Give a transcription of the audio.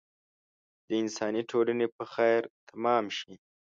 د انساني ټولنې په خیر تمام شي.